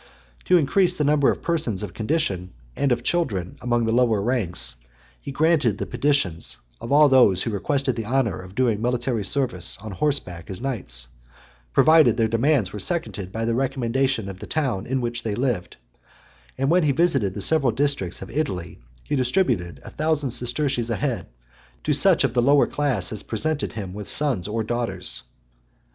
To increase the number of persons of condition, and of children among the lower ranks, he granted the petitions of all those who requested the honour of doing military service on horseback as knights, provided their demands were seconded by the recommendation of the town in which they lived; and when he visited the several districts of Italy, he distributed a thousand sesterces a head to such of the lower class as presented him with sons or daughters.